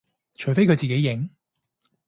除非佢自己認